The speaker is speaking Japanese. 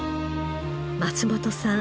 松本さん